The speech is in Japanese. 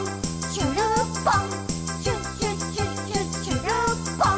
しゅるっぽん！」